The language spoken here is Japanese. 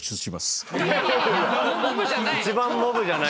一番モブじゃない。